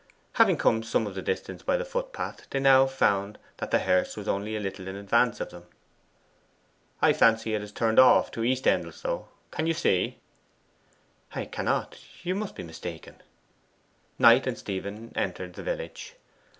Having come some of the distance by the footpath, they now found that the hearse was only a little in advance of them. 'I fancy it has turned off to East Endelstow. Can you see?' 'I cannot. You must be mistaken.' Knight and Stephen entered the village.